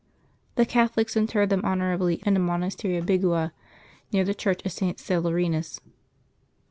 The Catholics interred them honorably in the monastery of Bigua, near the Church of St. Celerinus.